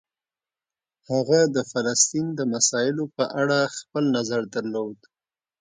هغه د فلسطین د مسایلو په اړه خپل نظر درلود.